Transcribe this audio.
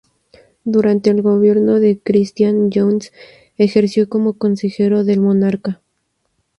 Durante el gobierno de Cristián, Jöns ejerció como consejero del monarca.